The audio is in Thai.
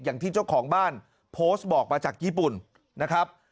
อย่างที่เจ้าของบ้านโพสต์บอกมาจากญี่ปุ่นนะครับ